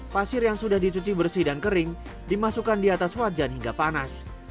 pasir yang sudah dicuci bersih dan kering dimasukkan di atas wajan hingga panas